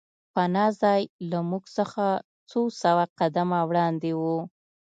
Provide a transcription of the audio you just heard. پناه ځای له موږ څخه څو سوه قدمه وړاندې و